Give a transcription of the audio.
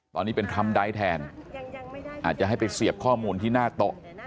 ตอนนี้เป็นทรัมป์ไดท์แทนอาจจะให้ไปเสียบข้อมูลที่หน้าโต๊ะ